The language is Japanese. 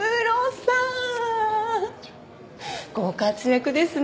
ご活躍ですね。